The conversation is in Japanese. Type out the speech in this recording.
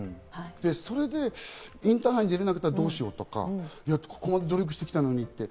それでインターハイに出られなかったらどうしようとか、ここまで努力してきたのにって。